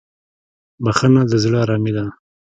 بخښنه د زړه ارامي ده.